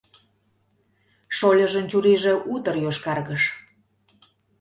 Шольыжын чурийже утыр йошкаргыш.